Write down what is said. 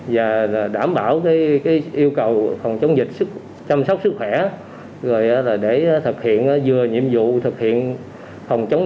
và đảm bảo yêu cầu phòng chống dịch chăm sóc sức khỏe rồi để thực hiện vừa nhiệm vụ phòng chống